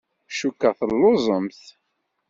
Cukkeɣ telluẓemt.